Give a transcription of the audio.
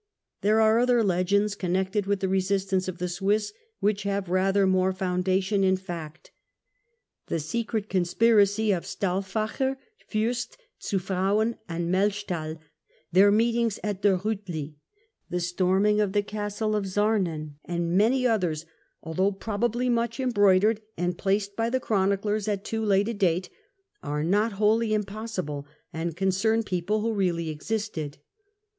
There are other legends connected with the resis tance of the Swiss, which have rather more foundation in fact. The secret conspiracy of Stauffacher, Fiirst, Zu Frauen and Melchthal, their meetings at the Riitli, the storming of the Castle of Sarnen and many others, although probably much embroidered and placed by the Chroniclers at too late a date, are not wholly impossible and concern people who really existed.